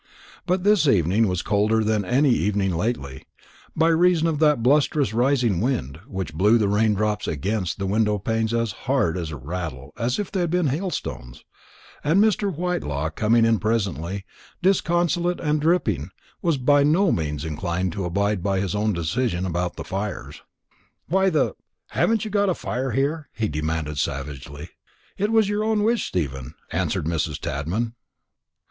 But this evening was colder than any evening lately, by reason of that blusterous rising wind, which blew the rain drops against the window panes with as sharp a rattle as if they had been hailstones; and Mr. Whitelaw coming in presently, disconsolate and dripping, was by no means inclined to abide by his own decision about the fires. "Why the haven't you got a fire here?" he demanded savagely. "It was your own wish, Stephen," answered Mrs. Tadman.